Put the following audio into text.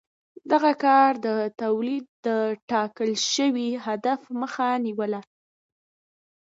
دغه کار د تولید د ټاکل شوي هدف مخه نیوله.